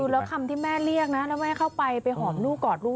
แล้วคำที่แม่เรียกนะแล้วแม่เข้าไปไปหอมลูกกอดลูก